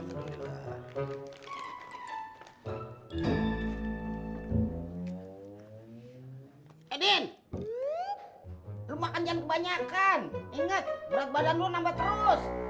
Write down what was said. ingat berat badan lo nambah terus